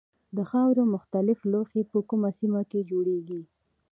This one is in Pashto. د خاورو مختلف لوښي په کومه سیمه کې جوړیږي.